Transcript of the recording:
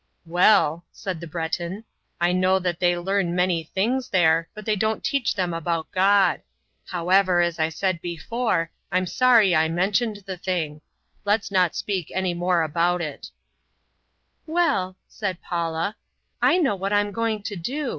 "Well," said the Breton, "I know that they learn 'many things there, but they don't teach them about God. However, as I said before, I'm sorry I mentioned the thing. Let's not speak any more about it" "Well," said Paula, "I know what I'm going to do.